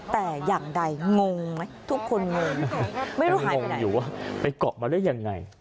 แต่อย่างใดงงไหมทุกคนงง